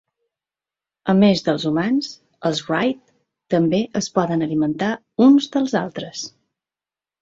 A més dels humans, els Wraith també es poden alimentar uns dels altres.